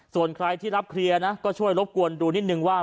ส่วนใครที่รับเคลียร์นะก็ช่วยรบกวนดูนิดนึงว่า